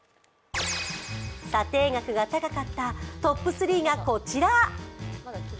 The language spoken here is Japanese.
査定額が高かったトップ３がこちら。